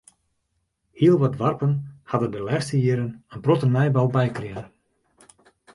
Hiel wat doarpen ha der de lêste jierren in protte nijbou by krige.